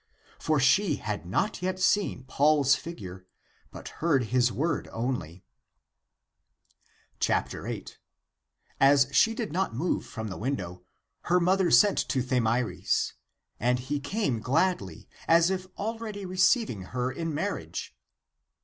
For she had not yet seen Paul's figure, but heard his word only. 8. As she did not move from the window, her mother sent to Thamyris. And he came gladly, as if already receiving her in marriage.